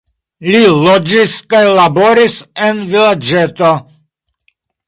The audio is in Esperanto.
Li loĝis kaj laboris en vilaĝeto.